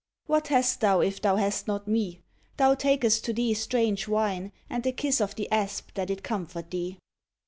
What hast thou if thou hast not Me? Thou takest to thee strange wine, and the kiss of the asp that it comfort thee.